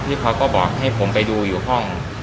เขาก็บอกให้ผมไปดูอยู่ห้อง